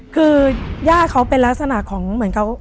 คือย่าเขาเป็นลักษณะของเหมือนเขา